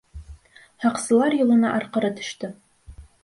Һаҡсылар юлына арҡыры төштө.